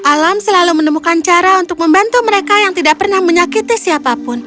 alam selalu menemukan cara untuk membantu mereka yang tidak pernah menyakiti siapapun